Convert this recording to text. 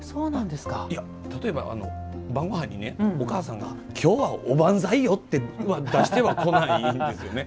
例えば、晩ごはんにね今日は、おばんざいよとは出してはこないんですね。